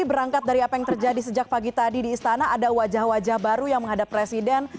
berangkat dari apa yang terjadi sejak pagi tadi di istana ada wajah wajah baru yang menghadap presiden